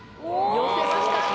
よせました。